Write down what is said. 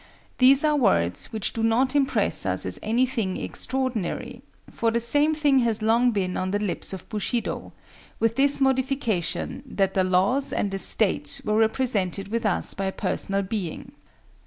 These are words which do not impress us as any thing extraordinary; for the same thing has long been on the lips of Bushido, with this modification, that the laws and the state were represented with us by a personal being.